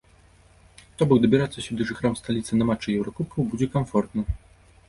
То бок дабірацца сюды жыхарам сталіцы на матчы еўракубкаў будзе камфортна.